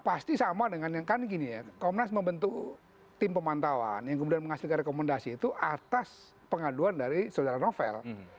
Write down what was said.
pasti sama dengan yang kan gini ya komnas membentuk tim pemantauan yang kemudian menghasilkan rekomendasi itu atas pengaduan dari saudara novel